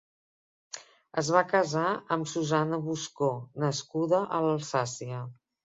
Es va casar amb Susanna Buscó, nascuda a l'Alsàcia.